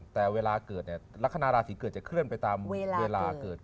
แต่เวลาเกิดเนี่ยลักษณะราศีเกิดจะเคลื่อนไปตามเวลาเกิด